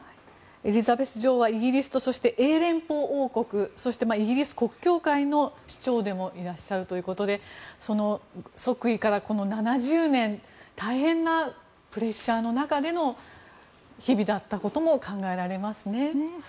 エリザベス女王はイギリスと英連邦王国そしてイギリス国教会の長でもいらっしゃるということで即位から７０年大変なプレッシャーの中での日々だったことも考えられますね。